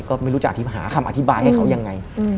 ก็ไม่รู้จะอธิบหาคำอธิบายให้เขายังไง